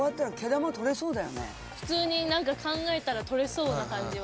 普通に考えたら取れそうな感じは。